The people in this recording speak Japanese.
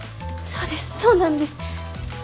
そうですそうなんです。